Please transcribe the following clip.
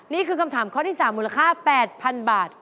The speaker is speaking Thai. นี่คือคำถามข้อที่๓มูลค่า๘๐๐๐บาท